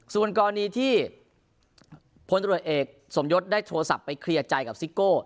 ส่วนกรณีที่พลตรวจเอกสมยศได้โทรศัพท์ไปเคลียร์ใจกับซิโก้